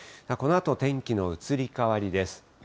このあと天気の移り変わりです。